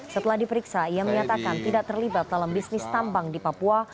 setelah diperiksa ia menyatakan tidak terlibat dalam bisnis tambang di papua